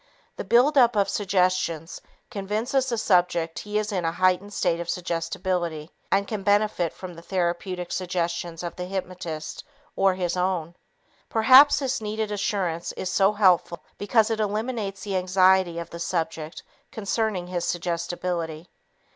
The build up of suggestions convinces the subject he is in a heightened state of suggestibility and can benefit from the therapeutic suggestions of the hypnotist or his own. Perhaps this needed assurance is so helpful because it eliminates the anxiety of the subject concerning his suggestibility.